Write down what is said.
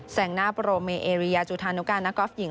แส่งหน้าโปรโมเมย์เอรียจูธานุกานักกอล์ฟหญิง